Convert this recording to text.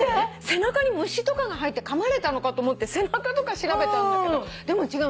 背中に虫とかが入ってかまれたのかと思って背中とか調べたんだけど違うの。